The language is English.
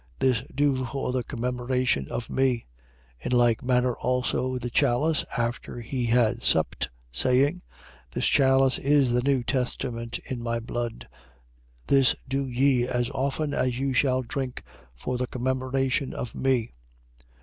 This do for the commemoration of me. 11:25. In like manner also the chalice, after he had supped, saying: This chalice is the new testament in my blood. This do ye, as often as you shall drink, for the commemoration of me.